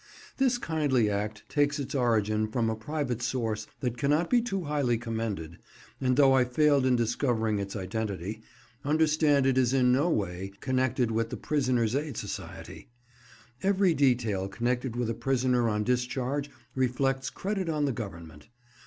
This kindly act takes its origin from a private source that cannot be too highly commended, and though I failed in discovering its identity, understand it is in no way connected with the "Prisoners' Aid Society." Every detail connected with a prisoner on discharge reflects credit on the Government.